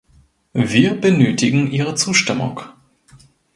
Wir benötigen Ihre Zustimmung.